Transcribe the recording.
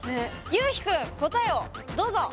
ゆうひくん答えをどうぞ！